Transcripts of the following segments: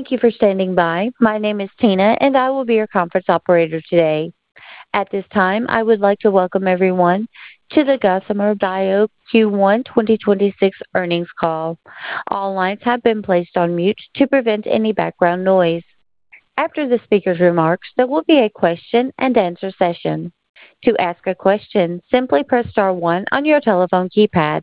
Thank you for standing by. My name is Tina, and I will be your conference operator today. At this time, I would like to welcome everyone to the Gossamer Bio Q1 2026 earnings call. All lines have been placed on mute to prevent any background noise. After the speaker's remarks, there will be a question-and-answer session. To ask a question, simply press star one on your telephone keypad.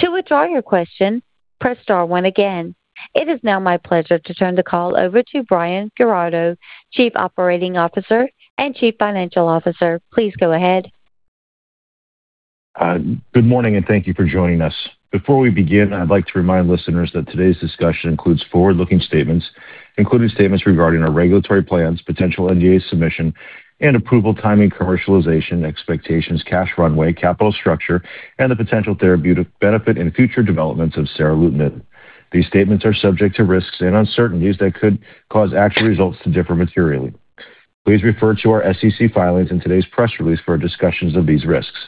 To withdraw your question, press star one again. It is now my pleasure to turn the call over to Bryan Giraudo, Chief Operating Officer and Chief Financial Officer. Please go ahead. Good morning, and thank you for joining us. Before we begin, I'd like to remind listeners that today's discussion includes forward-looking statements, including statements regarding our regulatory plans, potential NDA submission and approval timing, commercialization expectations, cash runway, capital structure, and the potential therapeutic benefit in future developments of seralutinib. These statements are subject to risks and uncertainties that could cause actual results to differ materially. Please refer to our SEC filings in today's press release for our discussions of these risks.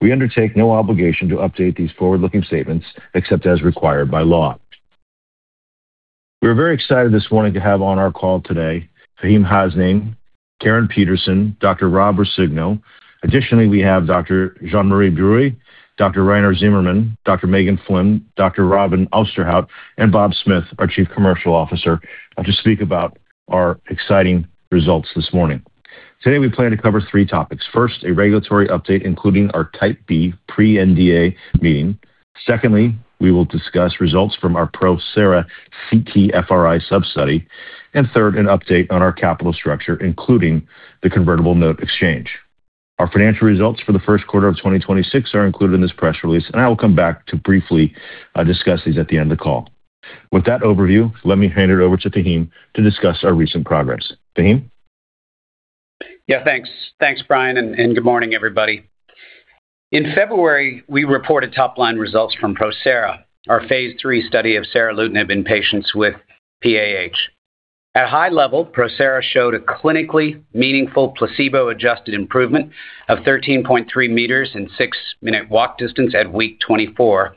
We undertake no obligation to update these forward-looking statements except as required by law. We are very excited this morning to have on our call today, Faheem Hasnain, Caryn Peterson, Dr. Rob Roscigno. Additionally, we have Dr. Jean-Marie Bruey, Dr. Rainer Zimmermann, Dr. Megan Flynn, Dr. Richard Osterhout, and Bob Smith, our Chief Commercial Officer, to speak about our exciting results this morning. Today, we plan to cover three topics. First, a regulatory update, including our Type B pre-NDA meeting. Secondly, we will discuss results from our PROSERA-CT-FRI sub-study. Third, an update on our capital structure, including the convertible note exchange. Our financial results for the first quarter of 2026 are included in this press release, I will come back to briefly discuss these at the end of the call. With that overview, let me hand it over to Faheem to discuss our recent progress. Faheem. Yeah, thanks. Thanks, Bryan Giraudo, and good morning, everybody. In February, we reported top-line results from PROSERA, our phase III study of seralutinib in patients with PAH. At a high level, PROSERA showed a clinically meaningful placebo-adjusted improvement of 13.3 m in 6-minute walk distance at week 24,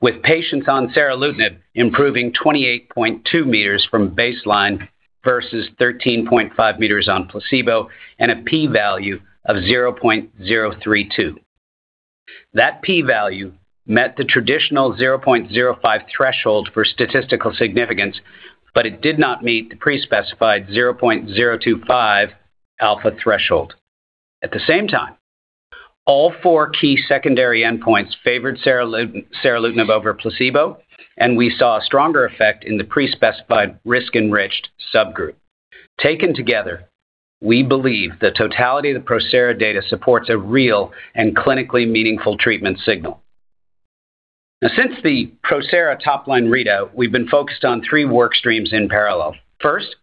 with patients on seralutinib improving 28.2 from baseline versus 13.5 m on placebo and a P value of 0.032. That P value met the traditional 0.05 threshold for statistical significance, it did not meet the pre-specified 0.025 alpha threshold. At the same time, all four key secondary endpoints favored seralutinib over placebo, we saw a stronger effect in the pre-specified risk-enriched subgroup. Taken together, we believe the totality of the PROSERA data supports a real and clinically meaningful treatment signal. Since the PROSERA top-line readout, we've been focused on three work streams in parallel. First,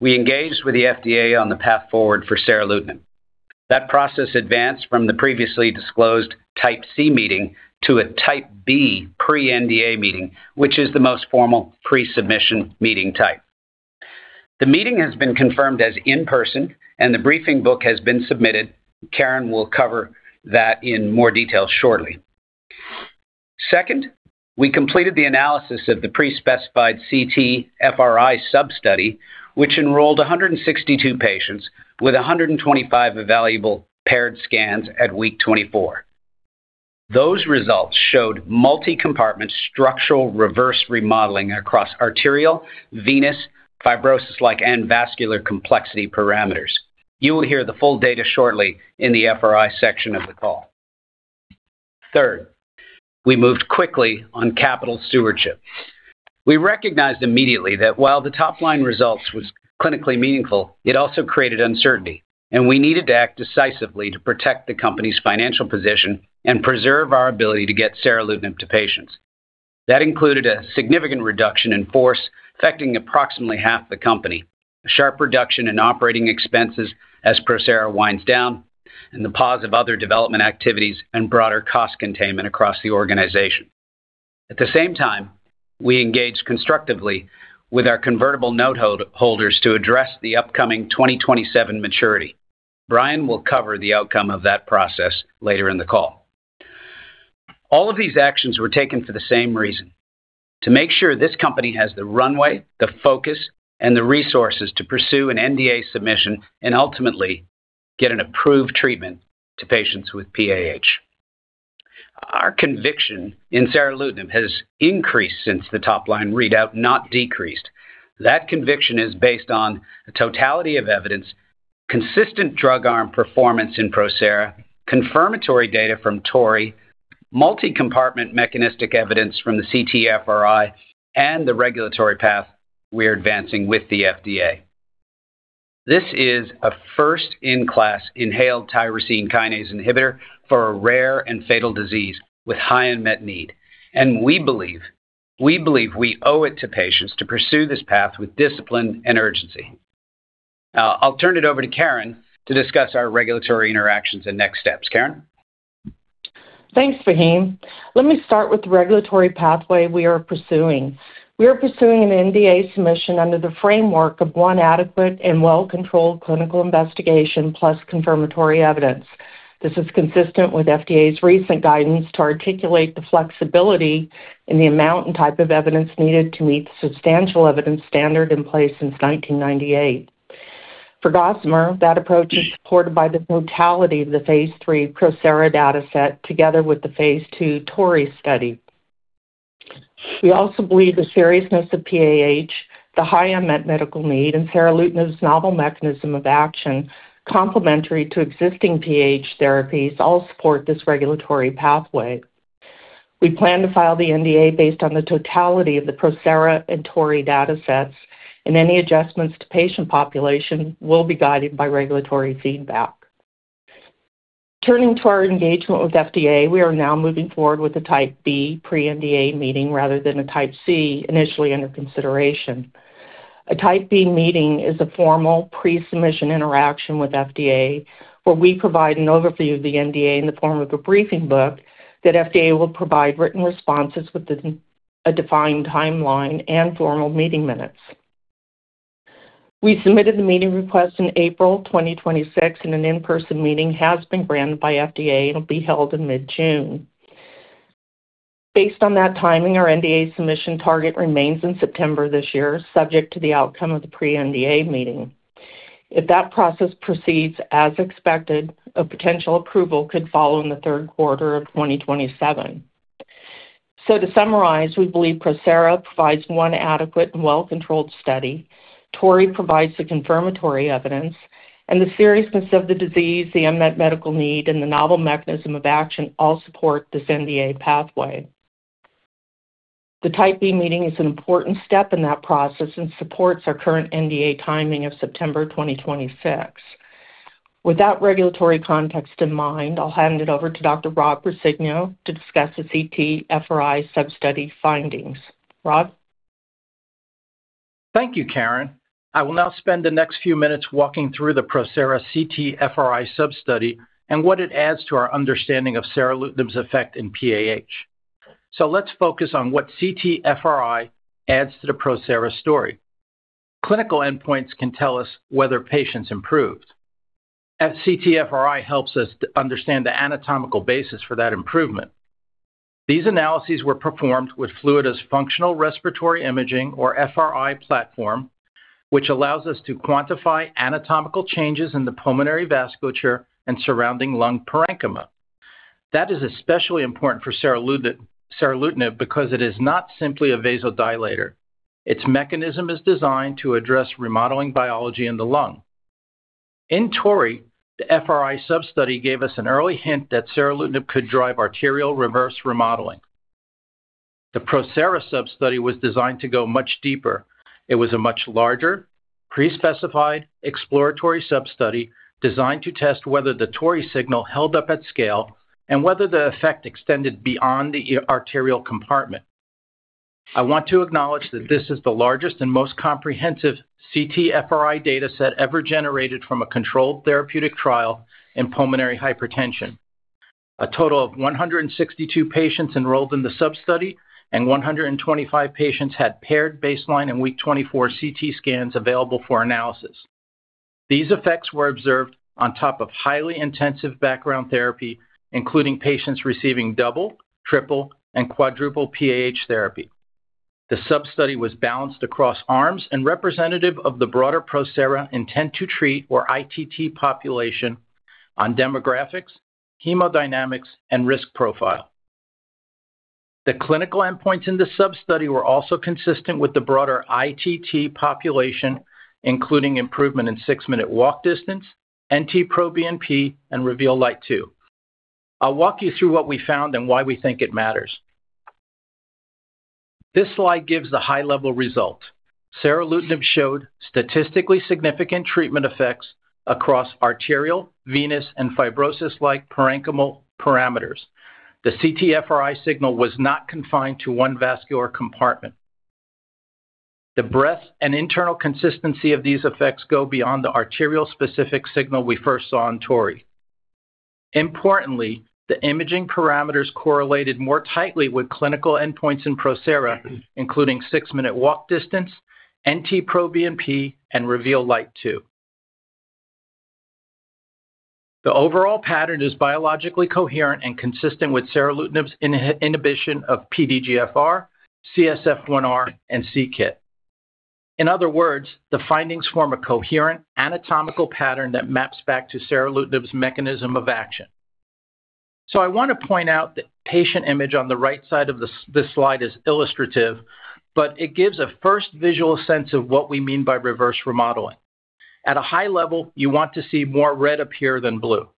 we engaged with the FDA on the path forward for seralutinib. That process advanced from the previously disclosed Type C meeting to a Type B pre-NDA meeting, which is the most formal pre-submission meeting type. The meeting has been confirmed as in-person, the briefing book has been submitted. Caryn will cover that in more detail shortly. Second, we completed the analysis of the pre-specified CT-FRI sub-study, which enrolled 162 patients with 125 evaluable paired scans at week 24. Those results showed multi-compartment structural reverse remodeling across arterial, venous, fibrosis-like, and vascular complexity parameters. You will hear the full data shortly in the FRI section of the call. Third, we moved quickly on capital stewardship. We recognized immediately that while the top-line results was clinically meaningful, it also created uncertainty, and we needed to act decisively to protect the company's financial position and preserve our ability to get seralutinib to patients. That included a significant reduction in force, affecting approximately half the company, a sharp reduction in operating expenses as PROSERA winds down, and the pause of other development activities and broader cost containment across the organization. At the same time, we engaged constructively with our convertible noteholders to address the upcoming 2027 maturity. Bryan will cover the outcome of that process later in the call. All of these actions were taken for the same reason, to make sure this company has the runway, the focus, and the resources to pursue an NDA submission and ultimately get an approved treatment to patients with PAH. Our conviction in seralutinib has increased since the top-line readout, not decreased. That conviction is based on the totality of evidence, consistent drug arm performance in PROSERA, confirmatory data from TORREY, multi-compartment mechanistic evidence from the CT-FRI, and the regulatory path we're advancing with the FDA. This is a first-in-class inhaled tyrosine kinase inhibitor for a rare and fatal disease with high unmet need. We believe we owe it to patients to pursue this path with discipline and urgency. I'll turn it over to Caryn to discuss our regulatory interactions and next steps. Caryn. Thanks, Faheem. Let me start with the regulatory pathway we are pursuing. We are pursuing an NDA submission under the framework of one adequate and well-controlled clinical investigation plus confirmatory evidence. This is consistent with FDA's recent guidance to articulate the flexibility in the amount and type of evidence needed to meet the substantial evidence standard in place since 1998. For Gossamer, that approach is supported by the totality of the phase III PROSERA dataset together with the phase II TORREY study. We also believe the seriousness of PAH, the high unmet medical need, and seralutinib's novel mechanism of action, complementary to existing PAH therapies, all support this regulatory pathway. We plan to file the NDA based on the totality of the PROSERA and TORREY datasets, and any adjustments to patient population will be guided by regulatory feedback. Turning to our engagement with FDA, we are now moving forward with a Type B pre-NDA meeting rather than a Type C initially under consideration. A Type B meeting is a formal pre-submission interaction with FDA, where we provide an overview of the NDA in the form of a briefing book that FDA will provide written responses within a defined timeline and formal meeting minutes. We submitted the meeting request in April 2026, an in-person meeting has been granted by FDA and will be held in mid-June. Based on that timing, our NDA submission target remains in September this year, subject to the outcome of the pre-NDA meeting. If that process proceeds as expected, a potential approval could follow in the third quarter of 2027. To summarize, we believe PROSERA provides one adequate and well-controlled study. TORREY provides the confirmatory evidence, the seriousness of the disease, the unmet medical need, and the novel mechanism of action all support this NDA pathway. The Type B meeting is an important step in that process and supports our current NDA timing of September 2026. With that regulatory context in mind, I'll hand it over to Dr. Rob Roscigno to discuss the CT-FRI sub-study findings. Rob? Thank you, Caryn. I will now spend the next few minutes walking through the PROSERA CT-FRI sub-study and what it adds to our understanding of seralutinib's effect in PAH. Let's focus on what CT-FRI adds to the PROSERA story. Clinical endpoints can tell us whether patients improved. CT-FRI helps us to understand the anatomical basis for that improvement. These analyses were performed with Fluidda's functional respiratory imaging or FRI platform, which allows us to quantify anatomical changes in the pulmonary vasculature and surrounding lung parenchyma. That is especially important for seralutinib because it is not simply a vasodilator. Its mechanism is designed to address remodeling biology in the lung. In TORREY, the FRI sub-study gave us an early hint that seralutinib could drive arterial reverse remodeling. The PROSERA sub-study was designed to go much deeper. It was a much larger, pre-specified exploratory sub-study designed to test whether the TORREY signal held up at scale and whether the effect extended beyond the arterial compartment. I want to acknowledge that this is the largest and most comprehensive CT-FRI data set ever generated from a controlled therapeutic trial in pulmonary hypertension. A total of 162 patients enrolled in the sub-study and 125 patients had paired baseline and week 24 CT scans available for analysis. These effects were observed on top of highly intensive background therapy, including patients receiving double, triple, and quadruple PAH therapy. The sub-study was balanced across arms and representative of the broader PROSERA intent to treat or ITT population on demographics, hemodynamics, and risk profile. The clinical endpoints in the sub-study were also consistent with the broader ITT population, including improvement in 6 minute walk distance, NT-proBNP, and REVEAL Lite 2. I'll walk you through what we found and why we think it matters. This slide gives the high-level result. seralutinib showed statistically significant treatment effects across arterial, venous, and fibrosis-like parenchymal parameters. The CT-FRI signal was not confined to one vascular compartment. The breadth and internal consistency of these effects go beyond the arterial-specific signal we first saw on TORREY. Importantly, the imaging parameters correlated more tightly with clinical endpoints in PROSERA, including 6-minute walk distance, NT-proBNP, and REVEAL Lite 2. The overall pattern is biologically coherent and consistent with seralutinib's inhibition of PDGFR, CSF1R, and c-KIT. In other words, the findings form a coherent anatomical pattern that maps back to seralutinib's mechanism of action. I want to point out the patient image on the right side of this slide is illustrative, but it gives a first visual sense of what we mean by reverse remodeling. At a high level, you want to see more red appear than blue.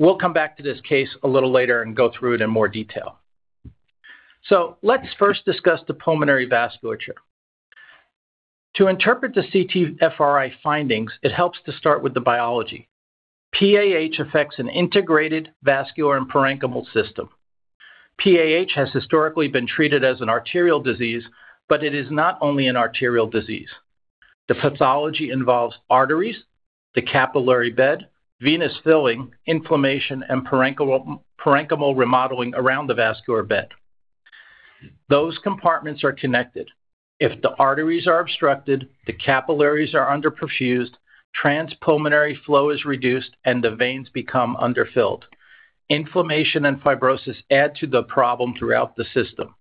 We'll come back to this case a little later and go through it in more detail. Let's first discuss the pulmonary vasculature. To interpret the CT-FRI findings, it helps to start with the biology. PAH affects an integrated vascular and parenchymal system. PAH has historically been treated as an arterial disease, but it is not only an arterial disease. The pathology involves arteries, the capillary bed, venous filling, inflammation, and parenchymal remodeling around the vascular bed. Those compartments are connected. If the arteries are obstructed, the capillaries are underperfused, transpulmonary flow is reduced, and the veins become underfilled. Inflammation and fibrosis add to the problem throughout the system.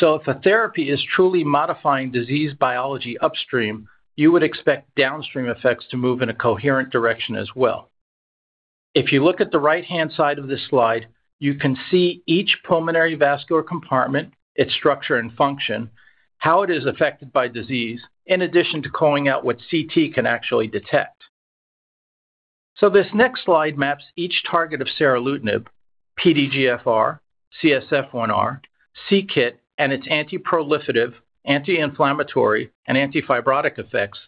If a therapy is truly modifying disease biology upstream, you would expect downstream effects to move in a coherent direction as well. If you look at the right-hand side of this slide, you can see each pulmonary vascular compartment, its structure and function, how it is affected by disease, in addition to calling out what CT can actually detect. This next slide maps each target of seralutinib, PDGFR, CSF1R, c-Kit, and its antiproliferative, anti-inflammatory, and anti-fibrotic effects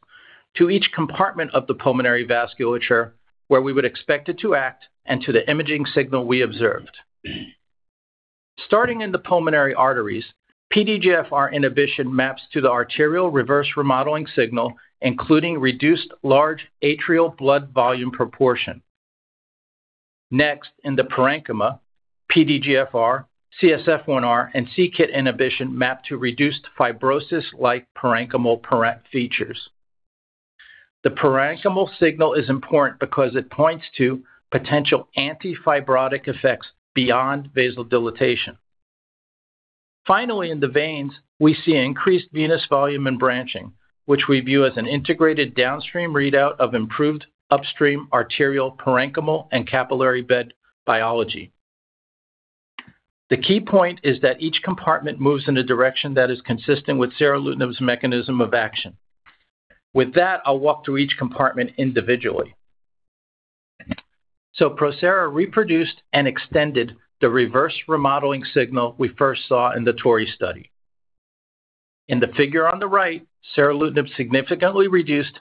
to each compartment of the pulmonary vasculature where we would expect it to act and to the imaging signal we observed. Starting in the pulmonary arteries, PDGFR inhibition maps to the arterial reverse remodeling signal, including reduced large arterial blood volume proportion. Next, in the parenchyma, PDGFR, CSF1R, and c-Kit inhibition map to reduced fibrosis-like parenchymal features. The parenchymal signal is important because it points to potential anti-fibrotic effects beyond vasodilatation. Finally, in the veins, we see increased venous volume and branching, which we view as an integrated downstream readout of improved upstream arterial parenchymal and capillary bed biology. The key point is that each compartment moves in a direction that is consistent with seralutinib's mechanism of action. With that, I'll walk through each compartment individually. PROSERA reproduced and extended the reverse remodeling signal we first saw in the TORREY study. In the figure on the right, seralutinib significantly reduced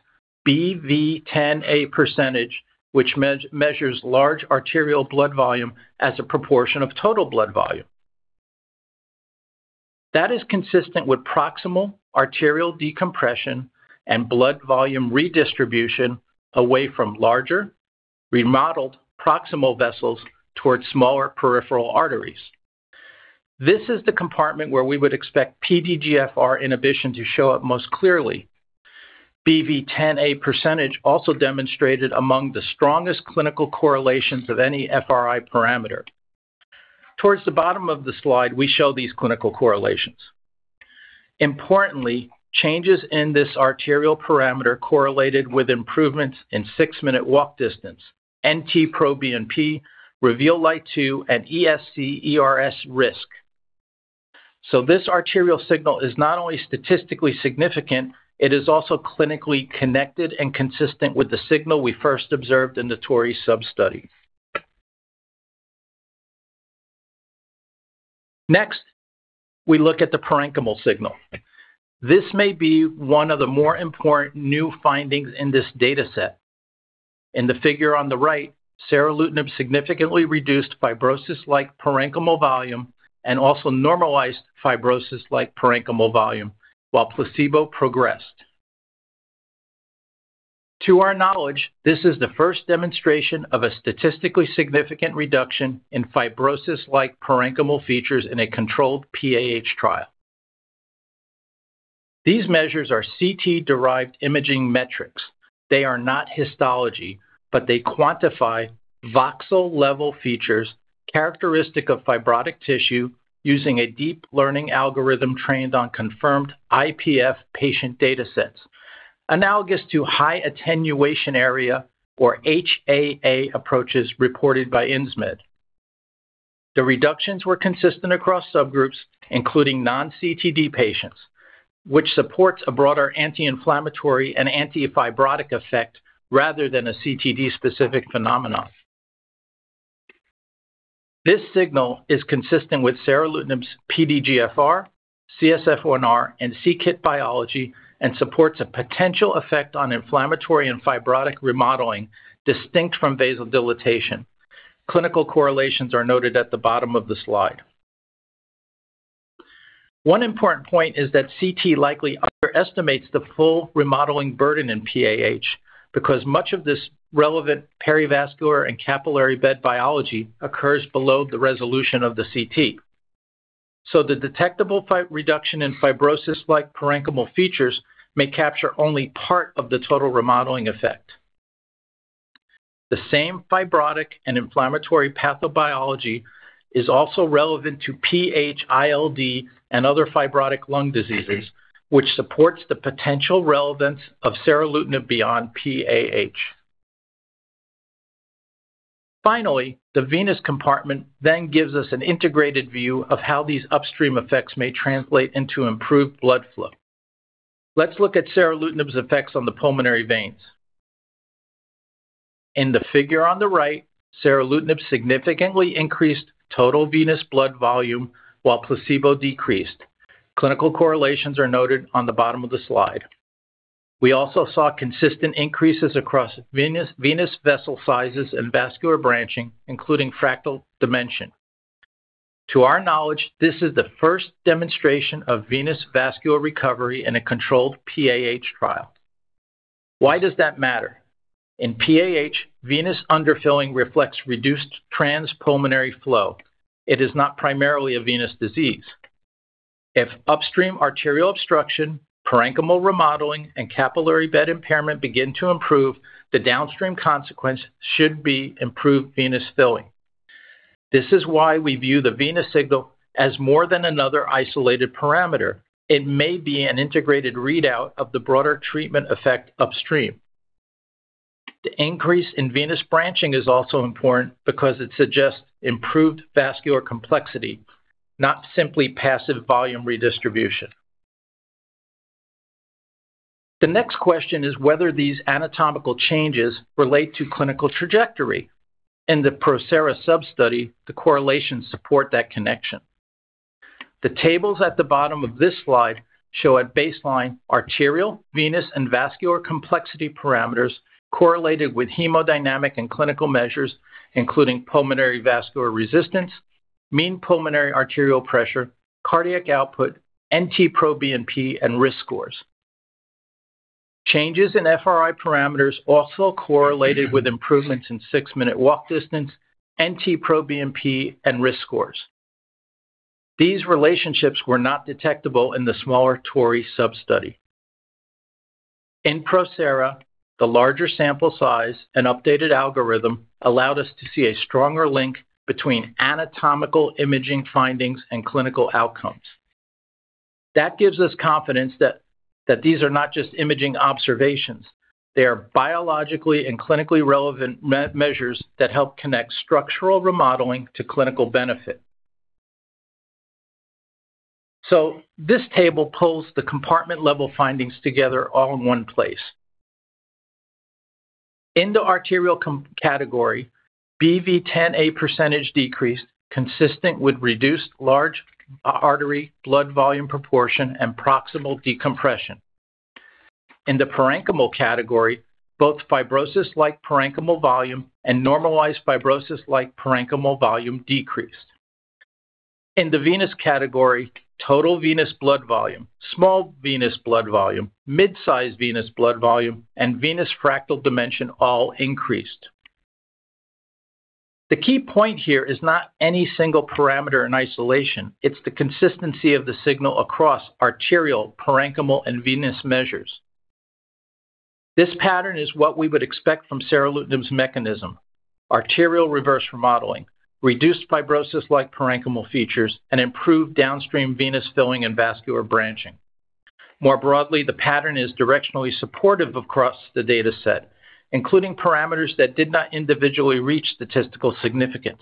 BV10A percentage, which measures large arterial blood volume as a proportion of total blood volume. That is consistent with proximal arterial decompression and blood volume redistribution away from larger, remodeled proximal vessels towards smaller peripheral arteries. This is the compartment where we would expect PDGFR inhibition to show up most clearly. BV10A percentage also demonstrated among the strongest clinical correlations of any FRI parameter. Towards the bottom of the slide, we show these clinical correlations. Importantly, changes in this arterial parameter correlated with improvements in 6-minute walk distance, NT-proBNP, REVEAL Lite 2, and ESC/ERS risk. This arterial signal is not only statistically significant, it is also clinically connected and consistent with the signal we first observed in the TORREY sub-study. Next, we look at the parenchymal signal. This may be one of the more important new findings in this data set. In the figure on the right, seralutinib significantly reduced fibrosis like parenchymal volume and also normalized fibrosis like parenchymal volume while placebo progressed. To our knowledge, this is the first demonstration of a statistically significant reduction in fibrosis like parenchymal features in a controlled PAH trial. These measures are CT-derived imaging metrics. They are not histology, but they quantify voxel-level features characteristic of fibrotic tissue using a deep learning algorithm trained on confirmed IPF patient data sets, analogous to high attenuation area or HAA approaches reported by Insmed. The reductions were consistent across subgroups, including non-CTD patients, which supports a broader anti-inflammatory and anti-fibrotic effect rather than a CTD-specific phenomenon. This signal is consistent with seralutinib's PDGFR, CSF1R, and c-KIT biology and supports a potential effect on inflammatory and fibrotic remodeling distinct from vasodilatation. Clinical correlations are noted at the bottom of the slide. One important point is that CT likely underestimates the full remodeling burden in PAH because much of this relevant perivascular and capillary bed biology occurs below the resolution of the CT. The detectable reduction in fibrosis like parenchymal features may capture only part of the total remodeling effect. The same fibrotic and inflammatory pathobiology is also relevant to PHILD and other fibrotic lung diseases, which supports the potential relevance of seralutinib beyond PAH. The venous compartment then gives us an integrated view of how these upstream effects may translate into improved blood flow. Let's look at seralutinib's effects on the pulmonary veins. In the figure on the right, seralutinib significantly increased total venous blood volume while placebo decreased. Clinical correlations are noted on the bottom of the slide. We also saw consistent increases across venous vessel sizes and vascular branching, including fractal dimension. To our knowledge, this is the first demonstration of venous vascular recovery in a controlled PAH trial. Why does that matter? In PAH, venous underfilling reflects reduced transpulmonary flow. It is not primarily a venous disease. If upstream arterial obstruction, parenchymal remodeling, and capillary bed impairment begin to improve, the downstream consequence should be improved venous filling. This is why we view the venous signal as more than another isolated parameter. It may be an integrated readout of the broader treatment effect upstream. The increase in venous branching is also important because it suggests improved vascular complexity, not simply passive volume redistribution. The next question is whether these anatomical changes relate to clinical trajectory. In the PROSERA sub-study, the correlations support that connection. The tables at the bottom of this slide show at baseline arterial, venous, and vascular complexity parameters correlated with hemodynamic and clinical measures, including pulmonary vascular resistance, mean pulmonary arterial pressure, cardiac output, NT-proBNP, and risk scores. Changes in FRI parameters also correlated with improvements in 6-minute walk distance, NT-proBNP, and risk scores. These relationships were not detectable in the smaller TORREY sub-study. In PROSERA, the larger sample size and updated algorithm allowed us to see a stronger link between anatomical imaging findings and clinical outcomes. That gives us confidence that these are not just imaging observations. They are biologically and clinically relevant measures that help connect structural remodeling to clinical benefit. This table pulls the compartment-level findings together all in one place. In the arterial category, BV10A percentage decreased consistent with reduced large artery blood volume proportion and proximal decompression. In the parenchymal category, both fibrosis-like parenchymal volume and normalized fibrosis-like parenchymal volume decreased. In the venous category, total venous blood volume, small venous blood volume, mid-sized venous blood volume, and venous fractal dimension all increased. The key point here is not any single parameter in isolation. It's the consistency of the signal across arterial, parenchymal, and venous measures. This pattern is what we would expect from seralutinib's mechanism, arterial reverse remodeling, reduced fibrosis-like parenchymal features, and improved downstream venous filling and vascular branching. More broadly, the pattern is directionally supportive across the data set, including parameters that did not individually reach statistical significance.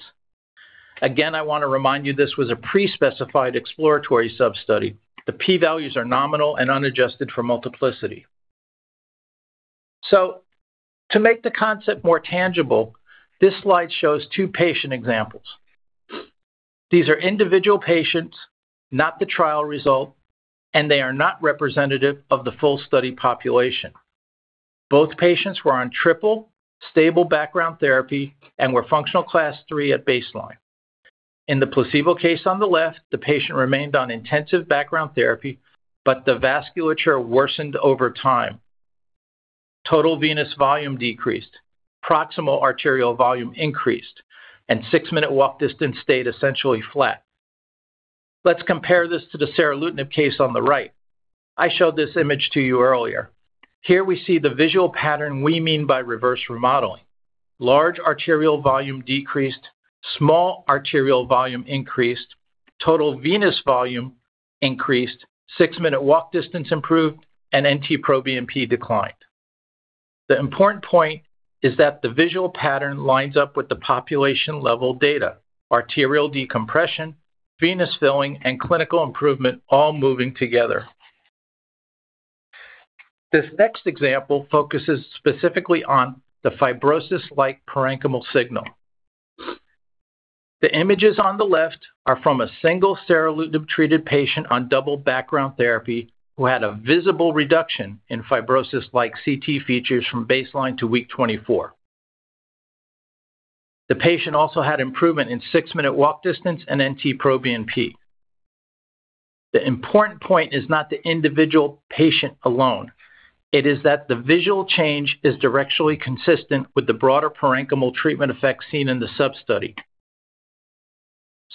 Again, I wanna remind you this was a pre-specified exploratory sub-study. The p-values are nominal and unadjusted for multiplicity. To make the concept more tangible, this slide shows two patient examples. These are individual patients, not the trial result, and they are not representative of the full study population. Both patients were on triple stable background therapy and were functional class 3 at baseline. In the placebo case on the left, the patient remained on intensive background therapy, but the vasculature worsened over time. Total venous volume decreased, proximal arterial volume increased, and 6-minute walk distance stayed essentially flat. Let's compare this to the seralutinib case on the right. I showed this image to you earlier. Here we see the visual pattern we mean by reverse remodeling. Large arterial volume decreased, small arterial volume increased, total venous volume increased, 6-minute walk distance improved, and NT-proBNP declined. The important point is that the visual pattern lines up with the population-level data, arterial decompression, venous filling, and clinical improvement all moving together. This next example focuses specifically on the fibrosis-like parenchymal signal. The images on the left are from a single seralutinib-treated patient on double background therapy who had a visible reduction in fibrosis-like CT features from baseline to week 24. The patient also had improvement in 6-minute walk distance and NT-proBNP. The important point is not the individual patient alone. It is that the visual change is directionally consistent with the broader parenchymal treatment effects seen in the sub-study.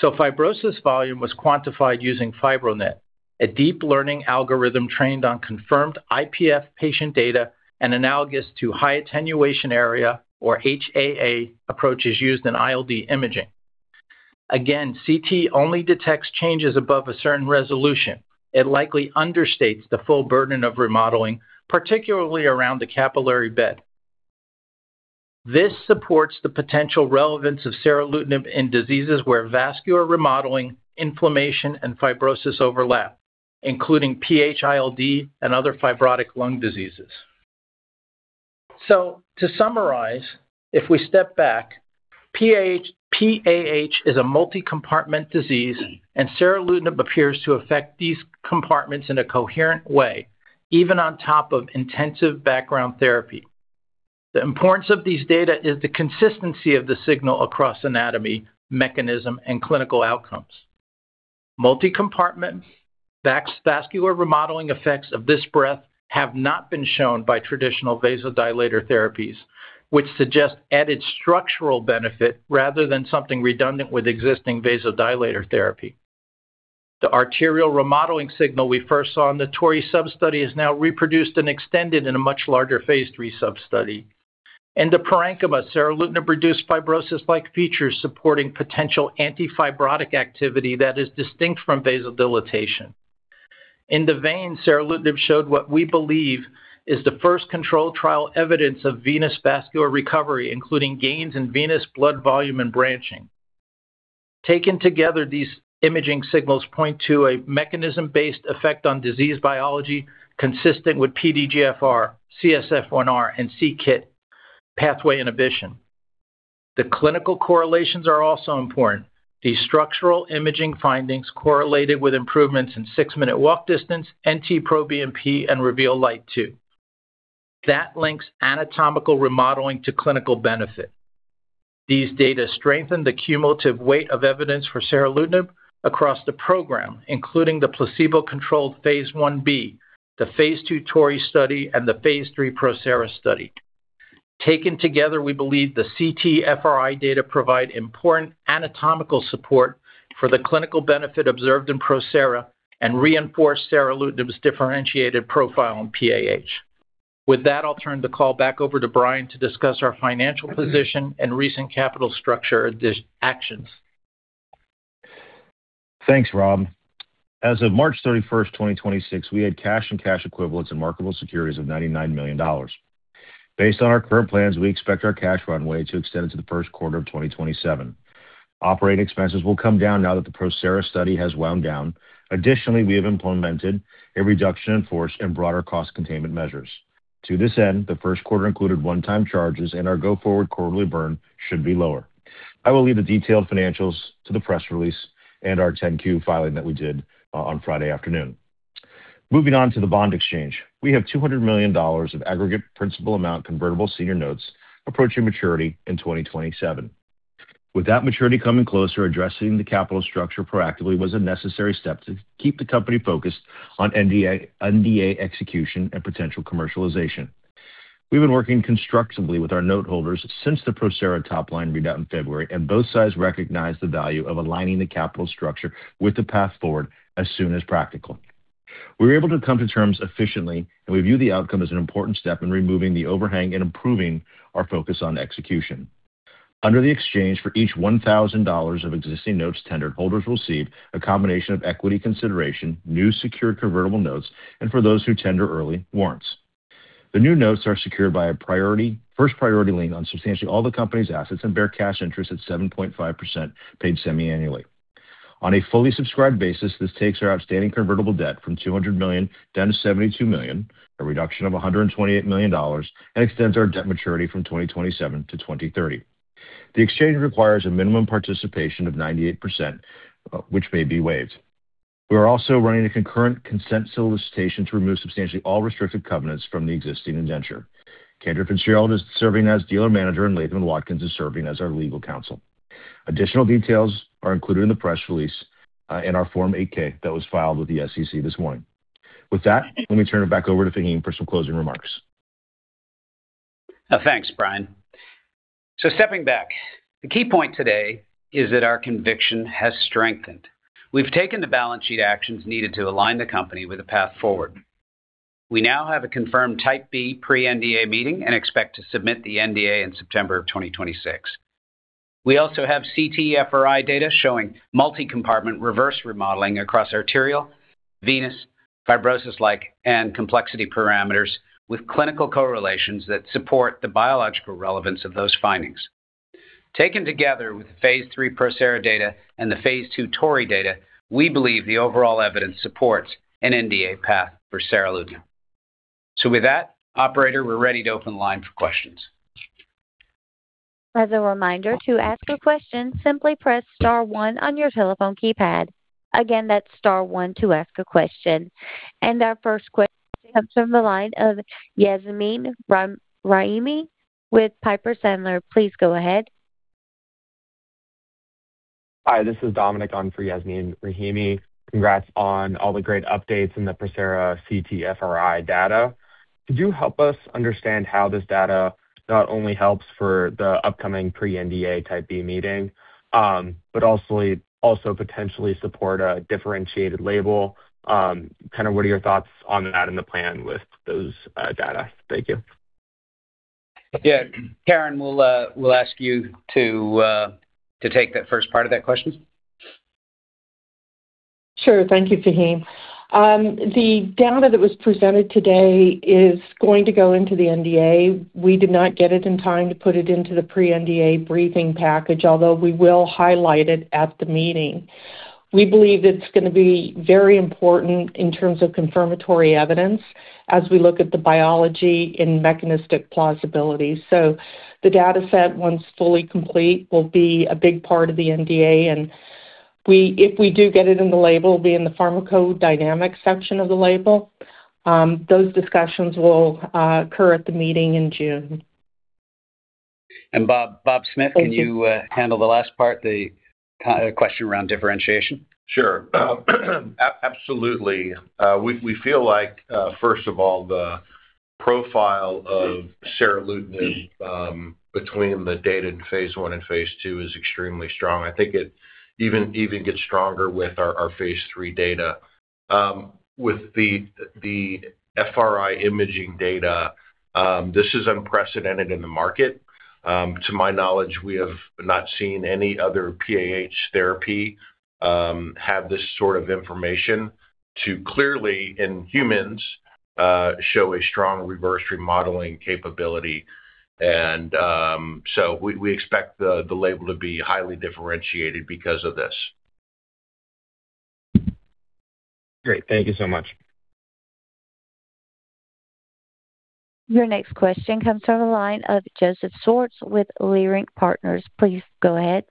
Fibrosis volume was quantified using FibroNet, a deep learning algorithm trained on confirmed IPF patient data and analogous to high attenuation area, or HAA, approaches used in ILD imaging. Again, CT only detects changes above a certain resolution. It likely understates the full burden of remodeling, particularly around the capillary bed. This supports the potential relevance of seralutinib in diseases where vascular remodeling, inflammation, and fibrosis overlap, including PHILD and other fibrotic lung diseases. To summarize, if we step back, PAH is a multi-compartment disease, and seralutinib appears to affect these compartments in a coherent way, even on top of intensive background therapy. The importance of these data is the consistency of the signal across anatomy, mechanism, and clinical outcomes. Multi-compartment vascular remodeling effects of this breadth have not been shown by traditional vasodilator therapies, which suggest added structural benefit rather than something redundant with existing vasodilator therapy. The arterial remodeling signal we first saw in the TORREY sub-study is now reproduced and extended in a much larger phase III sub-study. In the parenchyma, seralutinib reduced fibrosis-like features supporting potential anti-fibrotic activity that is distinct from vasodilatation. In the vein, seralutinib showed what we believe is the first controlled trial evidence of venous vascular recovery, including gains in venous blood volume and branching. Taken together, these imaging signals point to a mechanism-based effect on disease biology consistent with PDGFR, CSF1R, and c-KIT pathway inhibition. The clinical correlations are also important. These structural imaging findings correlated with improvements in 6-minute walk distance, NT-proBNP, and REVEAL Lite 2. That links anatomical remodeling to clinical benefit. These data strengthen the cumulative weight of evidence for seralutinib across the program, including the placebo-controlled phase I-B, the Phase II TORREY study, and the Phase III PROSERA study. Taken together, we believe the CT-FRI data provide important anatomical support for the clinical benefit observed in PROSERA and reinforce seralutinib's differentiated profile in PAH. With that, I'll turn the call back over to Bryan to discuss our financial position and recent capital structure actions. Thanks, Rob. As of March 31st, 2026, we had cash and cash equivalents and marketable securities of $99 million. Based on our current plans, we expect our cash runway to extend into the 1st quarter of 2027. Operating expenses will come down now that the PROSERA study has wound down. Additionally, we have implemented a reduction in force and broader cost containment measures. To this end, the 1st quarter included one-time charges, and our go-forward quarterly burn should be lower. I will leave the detailed financials to the press release and our 10-Q filing that we did on Friday afternoon. Moving on to the bond exchange. We have $200 million of aggregate principal amount convertible senior notes approaching maturity in 2027. With that maturity coming closer, addressing the capital structure proactively was a necessary step to keep the company focused on NDA execution and potential commercialization. We've been working constructively with our note holders since the PROSERA top-line readout in February. Both sides recognize the value of aligning the capital structure with the path forward as soon as practical. We were able to come to terms efficiently. We view the outcome as an important step in removing the overhang and improving our focus on execution. Under the exchange, for each $1,000 of existing notes tendered, holders will receive a combination of equity consideration, new secured convertible notes, and for those who tender early, warrants. The new notes are secured by a priority, first priority lien on substantially all the company's assets and bear cash interest at 7.5% paid semi-annually. On a fully subscribed basis, this takes our outstanding convertible debt from $200 million down to $72 million, a reduction of $128 million, and extends our debt maturity from 2027 to 2030. The exchange requires a minimum participation of 98%, which may be waived. We are also running a concurrent consent solicitation to remove substantially all restricted covenants from the existing indenture. Cantor Fitzgerald is serving as dealer manager, and Latham & Watkins is serving as our legal counsel. Additional details are included in the press release, and our Form 8-K that was filed with the SEC this morning. With that, let me turn it back over to Faheem for some closing remarks. Thanks, Bryan. Stepping back, the key point today is that our conviction has strengthened. We've taken the balance sheet actions needed to align the company with a path forward. We now have a confirmed Type B pre-NDA meeting and expect to submit the NDA in September of 2026. We also have CT-FRI data showing multi-compartment reverse remodeling across arterial, venous, fibrosis-like, and complexity parameters with clinical correlations that support the biological relevance of those findings. Taken together with the phase III PROSERA data and the phase II TORREY data, we believe the overall evidence supports an NDA path for seralutinib. With that, operator, we're ready to open the line for questions. As a reminder, to ask a question, simply press star one on your telephone keypad. Again, that's star one to ask a question. Our first question comes from the line of Yasmeen Rahimi with Piper Sandler. Please go ahead. Hi, this is Dominic on for Yasmeen Rahimi. Congrats on all the great updates in the PROSERA CT-FRI data. Could you help us understand how this data not only helps for the upcoming pre-NDA Type B meeting, but also potentially support a differentiated label? Kind of what are your thoughts on that and the plan with those data? Thank you. Yeah. Caryn, we'll ask you to take that first part of that question. Sure. Thank you, Faheem. The data that was presented today is going to go into the NDA. We did not get it in time to put it into the pre-NDA briefing package, although we will highlight it at the meeting. We believe it's gonna be very important in terms of confirmatory evidence as we look at the biology and mechanistic plausibility. The dataset, once fully complete, will be a big part of the NDA, and if we do get it in the label, it'll be in the pharmacodynamic section of the label. Those discussions will occur at the meeting in June. Bob Smith. Thank you. Can you handle the last part, the question around differentiation? Sure. Absolutely. We feel like, first of all, the profile of seralutinib, between the data in phase I and phase II is extremely strong. I think it even gets stronger with our phase III data. With the FRI imaging data, this is unprecedented in the market. To my knowledge, we have not seen any other PAH therapy have this sort of information to clearly, in humans, show a strong reverse remodeling capability. So we expect the label to be highly differentiated because of this. Great. Thank you so much. Your next question comes from the line of Joseph Schwartz with Leerink Partners. Please go ahead.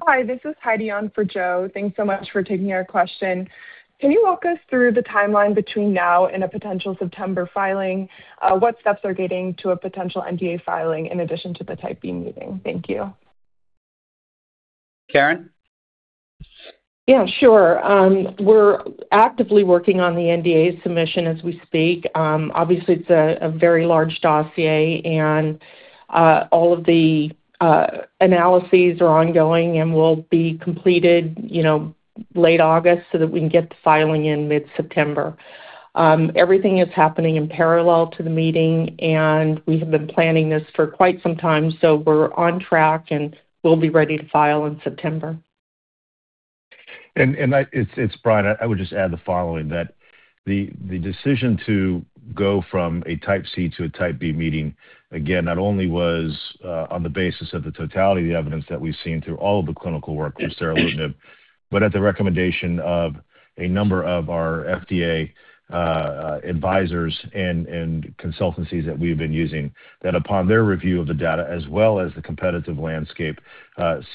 Hi, this is Heidi on for Joe. Thanks so much for taking our question. Can you walk us through the timeline between now and a potential September filing? What steps are getting to a potential NDA filing in addition to the Type B meeting? Thank you. Caryn? Yeah, sure. We're actively working on the NDA submission as we speak. Obviously, it's a very large dossier and all of the analyses are ongoing and will be completed, you know, late August so that we can get the filing in mid-September. Everything is happening in parallel to the meeting, and we have been planning this for quite some time, so we're on track, and we'll be ready to file in September. It's Bryan. I would just add the following, that the decision to go from a Type C to a Type B meeting, again, not only was on the basis of the totality of the evidence that we've seen through all of the clinical work with seralutinib, but at the recommendation of a number of our FDA advisors and consultancies that we've been using. That upon their review of the data as well as the competitive landscape,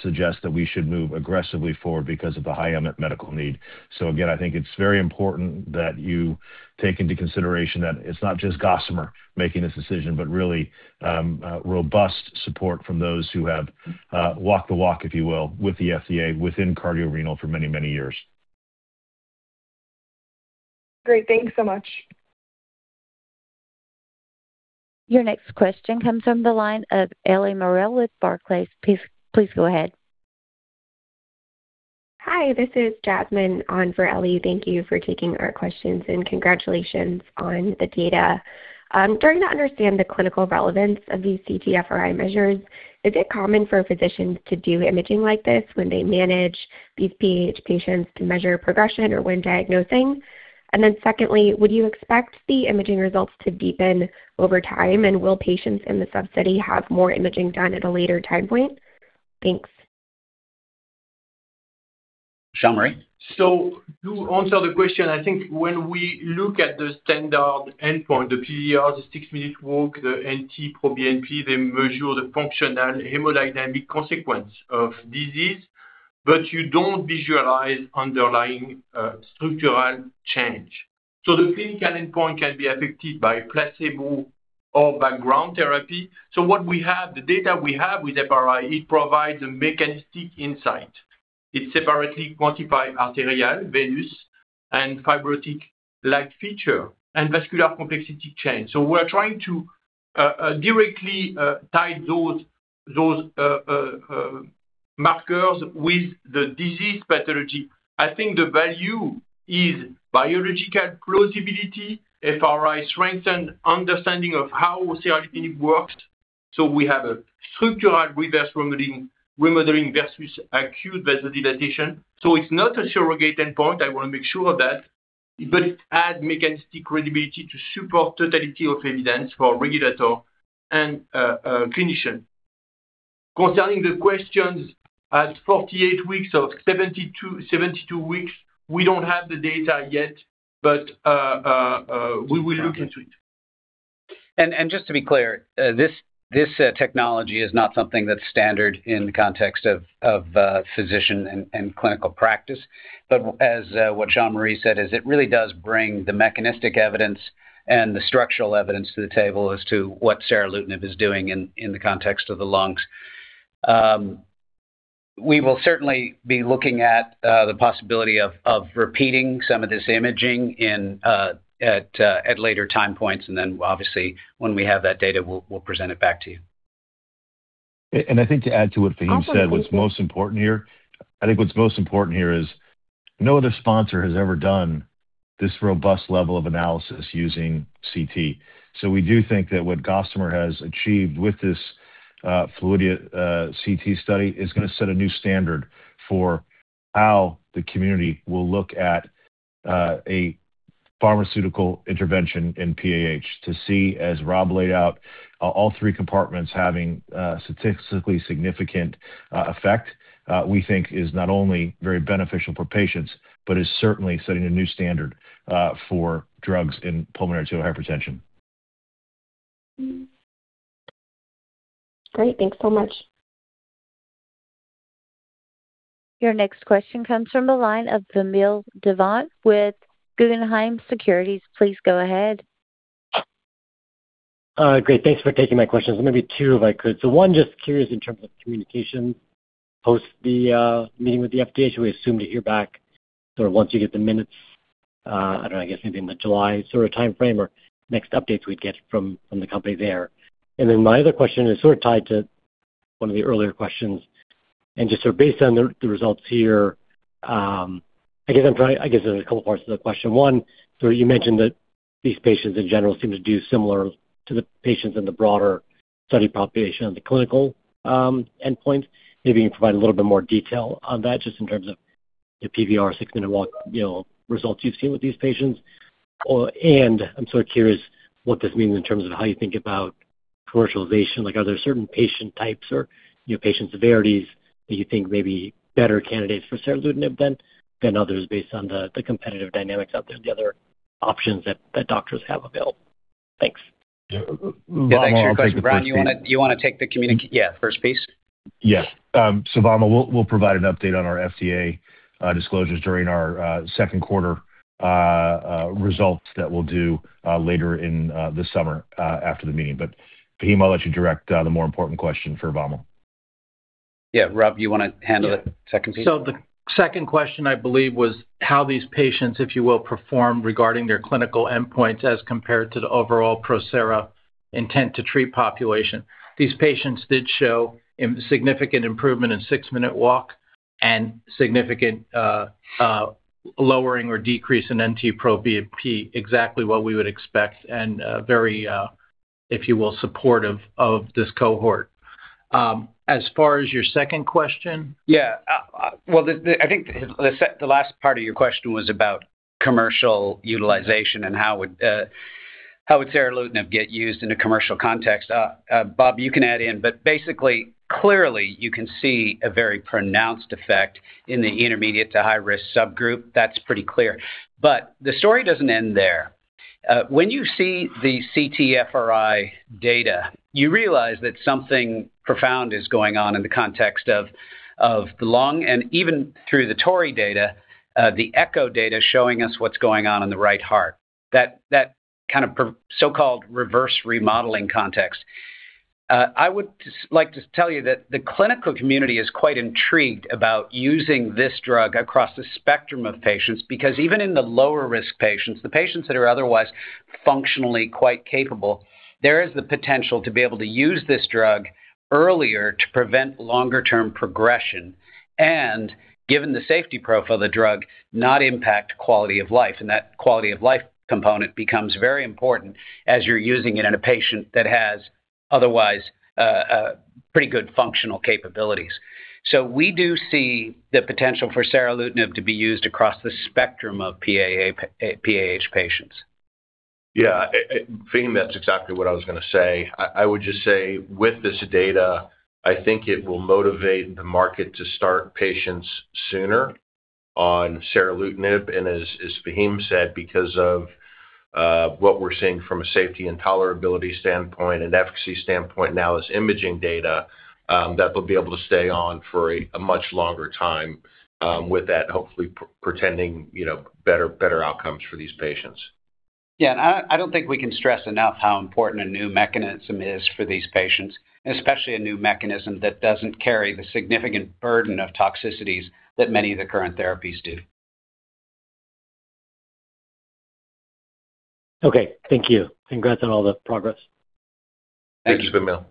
suggest that we should move aggressively forward because of the high unmet medical need. Again, I think it's very important that you take into consideration that it's not just Gossamer making this decision, but really robust support from those who have walked the walk, if you will, with the FDA within cardiorenal for many years. Great. Thanks so much. Your next question comes from the line of Eliana Merle with Barclays. Please go ahead. Hi, this is Jasmine on for Olivia Brayer. Thank you for taking our questions, and congratulations on the data. Trying to understand the clinical relevance of these CT-FRI measures, is it common for physicians to do imaging like this when they manage these PAH patients to measure progression or when diagnosing? Secondly, would you expect the imaging results to deepen over time, and will patients in the sub-study have more imaging done at a later time point? Thanks. Jean-Marie? To answer the question, I think when we look at the standard endpoint, the PVR, the 6-minute walk, the NT-proBNP, they measure the functional hemodynamic consequence of disease, but you don't visualize underlying structural change. The clinical endpoint can be affected by placebo or background therapy. What we have, the data we have with FRI, it provides a mechanistic insight. It separately quantifies arterial, venous, and fibrotic-like feature and vascular complexity change. We're trying to directly tie those markers with the disease pathology. I think the value is biological plausibility. FRI strengthen understanding of how seralutinib works. We have a structural reverse remodeling versus acute vasodilation. It's not a surrogate endpoint, I wanna make sure of that, but it adds mechanistic credibility to support totality of evidence for regulatory and clinician. Concerning the questions at 48 weeks or 72 weeks, we don't have the data yet. We will look into it. Just to be clear, this technology is not something that's standard in the context of physician and clinical practice. As what Jean-Marie said, it really does bring the mechanistic evidence and the structural evidence to the table as to what seralutinib is doing in the context of the lungs. We will certainly be looking at the possibility of repeating some of this imaging at later time points. Obviously, when we have that data, we'll present it back to you. I think to add to what Faheem said, what's most important here is no other sponsor has ever done this robust level of analysis using CT. We do think that what Gossamer has achieved with this Fluidda CT study is going to set a new standard for how the community will look at a pharmaceutical intervention in PAH. To see, as Rob laid out, all three compartments having a statistically significant effect, we think is not only very beneficial for patients but is certainly setting a new standard for drugs in pulmonary arterial hypertension. Great. Thanks so much. Your next question comes from the line of Vamil Divan with Guggenheim Securities. Please go ahead. Great. Thanks for taking my questions. Maybe two, if I could. One, just curious in terms of communication post the meeting with the FDA. We assume to hear back sort of once you get the minutes, I don't know, I guess maybe in the July sort of timeframe or next updates we'd get from the company there. My other question is sort of tied to one of the earlier questions and just sort of based on the results here, I guess there's a couple parts to the question. One, you mentioned that these patients in general seem to do similar to the patients in the broader study population of the clinical endpoint. Maybe you can provide a little bit more detail on that just in terms of the PVR 6-minute walk, you know, results you've seen with these patients. I'm sort of curious what this means in terms of how you think about commercialization. Like, are there certain patient types or, you know, patient severities that you think may be better candidates for seralutinib than others based on the competitive dynamics out there, the other options that doctors have available? Thanks. Yeah, thanks for your question. Rob, you wanna take the Yeah, first piece. Yeah. Vamil, we'll provide an update on our FDA disclosures during our second quarter results that we'll do later in the summer after the meeting. Faheem, I'll let you direct the more important question for Vamil. Yeah. Rob, you wanna handle it? Second piece. The second question, I believe, was how these patients, if you will, perform regarding their clinical endpoints as compared to the overall PROSERA intent to treat population. These patients did show significant improvement in 6-minute walk and significant lowering or decrease in NT-proBNP, exactly what we would expect and very, if you will, supportive of this cohort. As far as your second question. Yeah. Well, the I think the last part of your question was about commercial utilization and how would seralutinib get used in a commercial context. Bob, you can add in, but basically, clearly you can see a very pronounced effect in the intermediate to high-risk subgroup. That's pretty clear. The story doesn't end there. When you see the CT-FRI data, you realize that something profound is going on in the context of the lung, and even through the TORREY data, the echo data showing us what's going on in the right heart, that kind of so-called reverse remodeling context. I would just like to tell you that the clinical community is quite intrigued about using this drug across the spectrum of patients because even in the lower risk patients, the patients that are otherwise functionally quite capable, there is the potential to be able to use this drug earlier to prevent longer term progression and, given the safety profile of the drug, not impact quality of life, and that quality of life component becomes very important as you're using it in a patient that has otherwise pretty good functional capabilities. We do see the potential for seralutinib to be used across the spectrum of PAH patients. Yeah. Faheem, that's exactly what I was gonna say. I would just say with this data, I think it will motivate the market to start patients sooner on seralutinib, and as Faheem said, because of what we're seeing from a safety and tolerability standpoint and efficacy standpoint now as imaging data, that they'll be able to stay on for a much longer time, with that hopefully portending, you know, better outcomes for these patients. Yeah. I don't think we can stress enough how important a new mechanism is for these patients, and especially a new mechanism that doesn't carry the significant burden of toxicities that many of the current therapies do. Okay. Thank you. Congrats on all the progress. Thank you. Thanks, Vamil.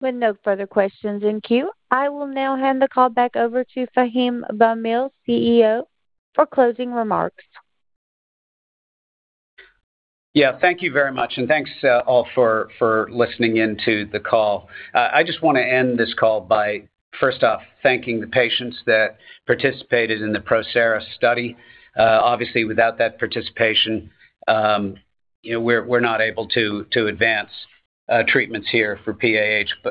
With no further questions in queue, I will now hand the call back over to Faheem Hasnain, CEO, for closing remarks. Yeah. Thank you very much, thanks all for listening in to the call. I just wanna end this call by first off thanking the patients that participated in the PROSERA study. Obviously, without that participation, you know, we're not able to advance treatments here for PAH.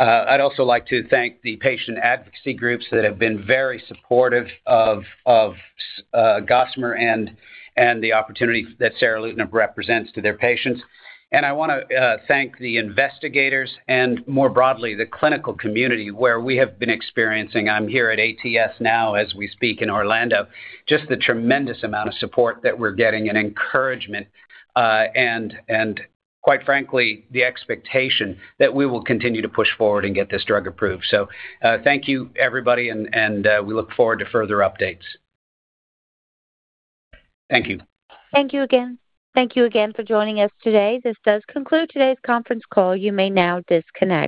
I'd also like to thank the patient advocacy groups that have been very supportive of Gossamer and the opportunity that seralutinib represents to their patients. I wanna thank the investigators and more broadly the clinical community where we have been experiencing, I'm here at ATS now as we speak in Orlando, just the tremendous amount of support that we're getting and encouragement, and quite frankly the expectation that we will continue to push forward and get this drug approved. Thank you everybody and we look forward to further updates. Thank you. Thank you again. Thank you again for joining us today. This does conclude today's conference call. You may now disconnect.